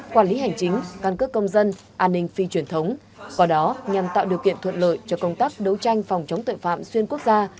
quản lý hành chính căn cước công dân an ninh phi truyền thống qua đó nhằm tạo điều kiện thuận lợi cho công tác đấu tranh phòng chống tội phạm xuyên quốc gia